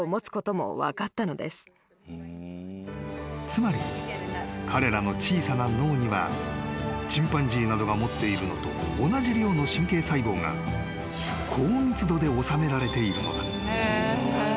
［つまり彼らの小さな脳にはチンパンジーなどが持っているのと同じ量の神経細胞が高密度で収められているのだ］